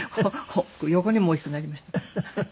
横にも大きくなりました。